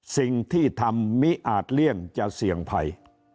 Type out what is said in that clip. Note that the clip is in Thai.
สิ่งที่ทำมิอาจเลี่ยงจะเสี่ยงภัย